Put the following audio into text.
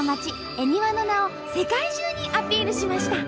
恵庭の名を世界中にアピールしました。